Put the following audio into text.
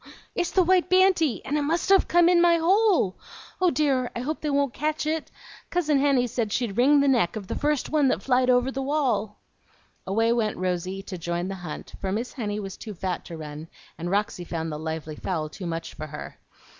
"It's the white banty, and it must have come in my hole! Oh dear, I hope they won't catch it! Cousin Henny said she'd wring the neck of the first one that flied over the wall." Away went Rosy, to join in the hunt; for Miss Henny was too fat to run, and Roxy found the lively fowl too much for her.